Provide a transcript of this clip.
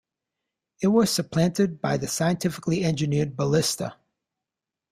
It was supplanted by the scientifically engineered ballista.